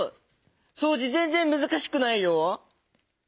そうじぜんぜんむずかしくないよ。